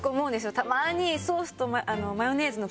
たまに。